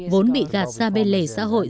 vốn bị gạt ra bên lề xã hội